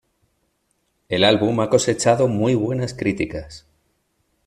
El álbum ha cosechado muy buenas críticas.